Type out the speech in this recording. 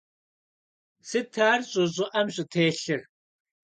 Сыт ар щӀы щӀыӀэм щӀытелъыр?